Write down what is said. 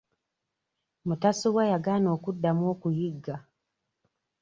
Mutasubwa yagaana okuddamu okuyigga.